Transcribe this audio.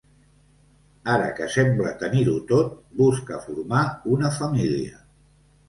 Ara que sembla tenir-ho tot, busca formar una família.